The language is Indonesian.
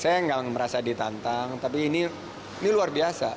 saya nggak merasa ditantang tapi ini luar biasa